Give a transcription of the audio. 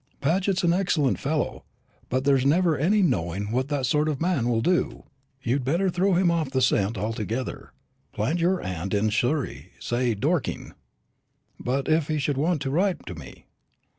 Paget's an excellent fellow, but there's never any knowing what that sort of man will do. You'd better throw him off the scent altogether. Plant your aunt in Surrey say Dorking." "But if he should want to write to me?"